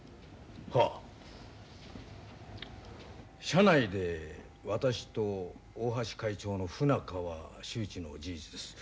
社内で私と大橋会長の不仲は周知の事実です。